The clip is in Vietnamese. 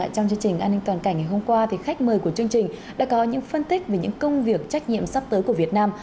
trong chương trình an ninh toàn cảnh ngày hôm qua khách mời của chương trình đã có những phân tích về những công việc trách nhiệm sắp tới của việt nam